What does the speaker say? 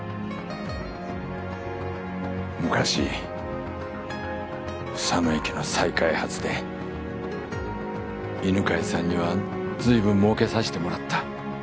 昔房野駅の再開発で犬飼さんには随分もうけさしてもらった。